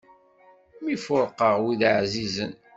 Mi fuṛqeɣ wid ɛzizen.